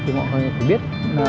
thì mọi người cũng biết